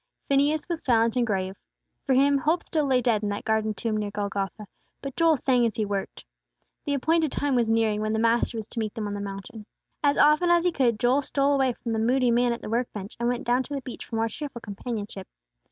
Phineas was silent and grave. For him, hope still lay dead in that garden tomb near Golgotha; but Joel sang as he worked. The appointed time was nearing when the Master was to meet them on the mountain. As often as he could, Joel stole away from the moody man at the work bench, and went down to the beach for more cheerful companionship.